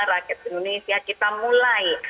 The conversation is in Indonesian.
rakyat indonesia kita mulai